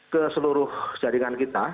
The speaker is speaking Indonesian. ke seluruh jaringan kita